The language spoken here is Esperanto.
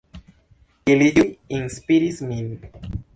Ili ĉiuj inspiris min.